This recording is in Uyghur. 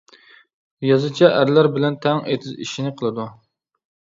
يازىچە ئەرلەر بىلەن تەڭ ئېتىز ئىشىنى قىلىدۇ.